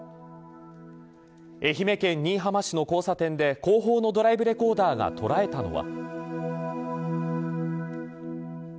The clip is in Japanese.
愛媛県新居浜市の交差点で後方のドライブレコーダーが捉えたのは。